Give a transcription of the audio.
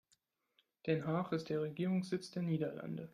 Den Haag ist der Regierungssitz der Niederlande.